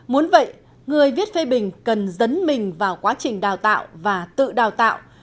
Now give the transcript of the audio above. muốn vậy người viết phê bình cần dấn mình vào quá trình đào tạo và tự đào tạo